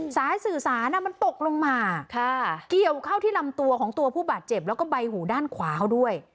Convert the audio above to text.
สายสื่อสารมันตกลงมาเกี่ยวเข้าที่ลำตัวของตัวผู้บาดเจ็บแล้วก็ใบหูด้านขวาเขาด้วย